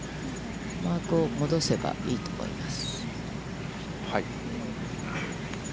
マークを戻せばいいと思います。